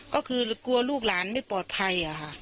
ก็คือกลัวลูกหลานไม่ปลอดภัย